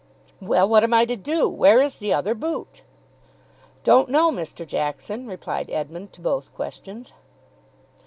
"Well, what am I to do? Where is the other boot?" "Don't know, Mr. Jackson," replied Edmund to both questions.